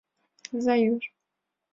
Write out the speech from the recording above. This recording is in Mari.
Зоюш!..